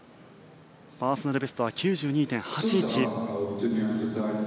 パーソナルベストは９２．８１。